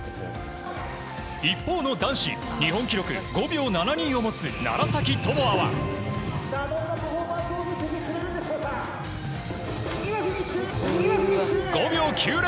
一方の男子日本記録５秒７２を持つ楢崎智亜は５秒９０。